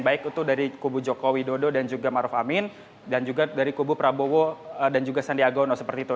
baik itu dari kubu jokowi dodo dan juga maruf amin dan juga dari kubu prabowo dan juga sandiaga uno seperti itu